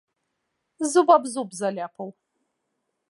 Зуб аб зуб заляпаў.